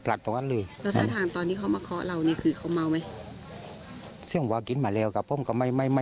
เพราะถ้าถ้างตอนนี้เขามาคอเรานี่คือเขาเมาไหม